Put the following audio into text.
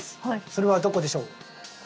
それはどこでしょう？